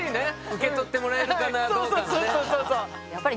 受け取ってもらえるかなどうかのね。